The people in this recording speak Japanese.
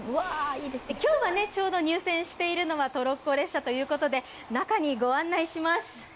今日は、ちょうど入線しているのはトロッコ列車ということで中にご案内します。